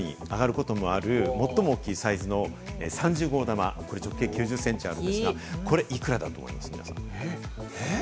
これね、一番最後に上がることもある最も大きいサイズの３０号玉、直径９０センチあるんですけれども、これ幾らだと思います？